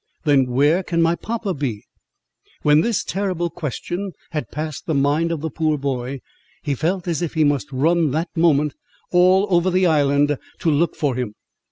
—"Then where can my papa be?" When this terrible question had passed the mind of the poor boy, he felt as if he must run that moment all over the island, to look for him.